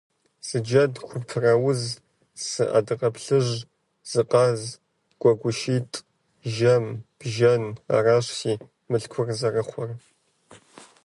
Зы джэд купрауз, сы адакъэплъыжь, зы къаз, гуэгушитӏ, жэм, бжэн, аращ си мылъкур зэрыхъур.